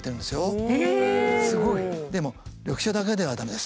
すごい！